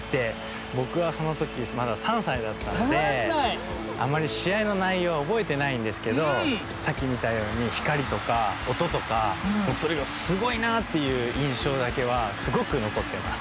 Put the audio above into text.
ぼくはそのときまだ３さいだったのであまりしあいのないようはおぼえてないんですけどさっきみたようにひかりとかおととかもうそれがすごいなっていういんしょうだけはすごくのこってます。